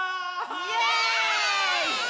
イエーイ！